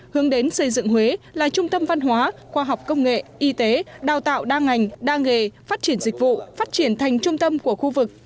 hướng đến xây dựng huế là trung tâm văn hóa khoa học công nghệ y tế đào tạo đa ngành đa nghề phát triển dịch vụ phát triển thành trung tâm của khu vực